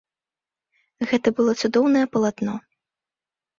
Гэта было цудоўнае палатно.